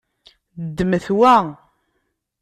Ddmet wa.